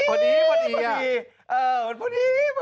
เออมันพอดี